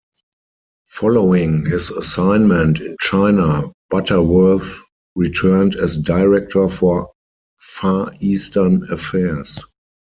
Following his assignment in China, Butterworth returned as director for Far Eastern Affairs.